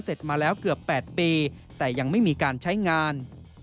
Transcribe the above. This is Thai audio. เสร็จมาแล้วเกือบ๘ปีแต่ยังไม่มีการใช้งาน